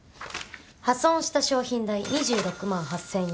破損した商品代２６万８，０００円